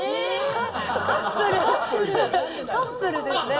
カップルですね